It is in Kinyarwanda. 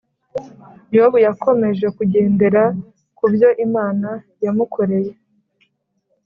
yobu yakomeje kugendera kubyo imana ya mukoreye